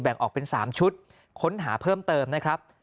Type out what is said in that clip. ออกเป็น๓ชุดค้นหาเพิ่มเติมนะครับ